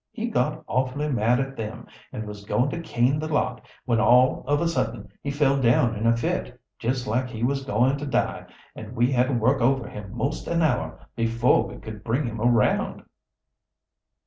He got awfully mad at them, and was going to cane the lot, when all of a sudden he fell down in a fit, just like he was going to die, and we had to work over him most an hour before we could bring him around."